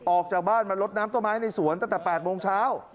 ออกจากบ้านมาลดน้ำต้นไม้ในสวนตั้งแต่๘โมงเช้า